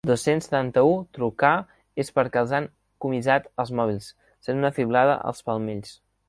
Dos-cents setanta-u trucar és perquè els han comissat els mòbils, sent una fiblada als palmells.